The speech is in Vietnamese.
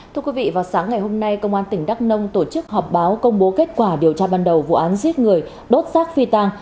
thưa quý vị vào sáng ngày hôm nay công an tỉnh đắk nông tổ chức họp báo công bố kết quả điều tra ban đầu vụ án giết người đốt rác phi tàng